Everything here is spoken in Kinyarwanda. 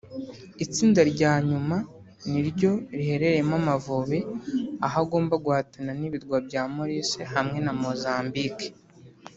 Itsinda rya nyuma ni ryo riherereyemo Amavubi aho agomba guhatana n’ibirwa bya Maurice hamwe na Mozambique